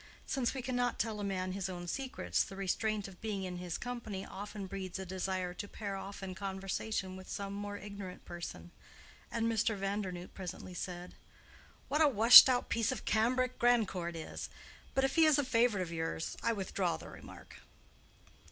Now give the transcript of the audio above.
Since we cannot tell a man his own secrets, the restraint of being in his company often breeds a desire to pair off in conversation with some more ignorant person, and Mr. Vandernoodt presently said, "What a washed out piece of cambric Grandcourt is! But if he is a favorite of yours, I withdraw the remark."